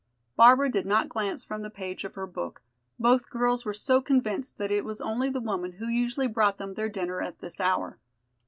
Barbara did not glance from the page of her book, both girls were so convinced that it was only the woman who usually brought them their dinner at this hour.